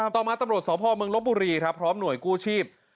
ต่อมาตำรวจสพเมืองลบบุรีครับพร้อมหน่วยกู้ชีพ